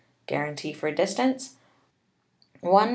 Guarantee for distance : I kw.